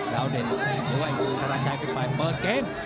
แล้วเด่นหรือว่าอันตรีธรรมชายไปไฟล์เปิดเกม